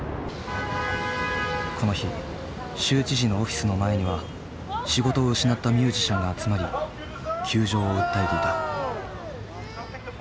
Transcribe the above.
この日州知事のオフィスの前には仕事を失ったミュージシャンが集まり窮状を訴えていた。